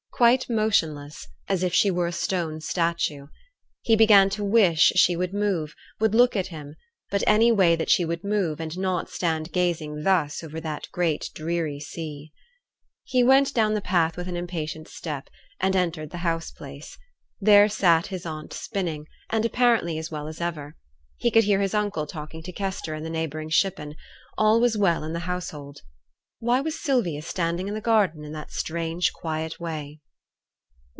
Quite motionless; as if she were a stone statue. He began to wish she would move would look at him but any way that she would move, and not stand gazing thus over that great dreary sea. He went down the path with an impatient step, and entered the house place. There sat his aunt spinning, and apparently as well as ever. He could hear his uncle talking to Kester in the neighbouring shippen; all was well in the household. Why was Sylvia standing in the garden in that strange quiet way?